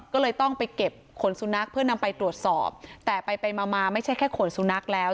ก็เลยต้องไปเก็บขนสุนัขเพื่อนำไปตรวจสอบแต่ไปไปมามาไม่ใช่แค่ขนสุนัขแล้ว